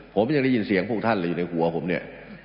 ผมยังได้ยินเสียงพวกท่านเลยอยู่ในหัวผมเนี่ย